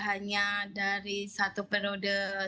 kapan agar aken pamerwhereat mungkin